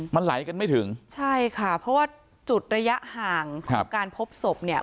มันไหลกันไม่ถึงใช่ค่ะเพราะว่าจุดระยะห่างครับการพบศพเนี่ย